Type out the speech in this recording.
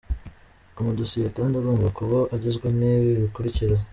Amadosiye kandi agomba kuba agizwe n’ibi bikurikira :.